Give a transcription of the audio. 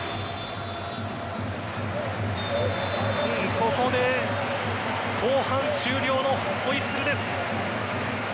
ここで後半終了のホイッスルです。